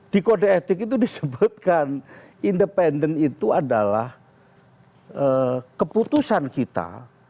di kode etik itu disebutkan independen itu adalah keputusan kita